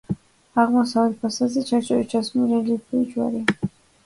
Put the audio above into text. აღმოსავლეთ ფასადზე ჩარჩოში ჩასმული რელიეფური ჯვარია ამოკვეთილი, ჯვარია ამოკვეთილი დასავლეთ ფასადზეც.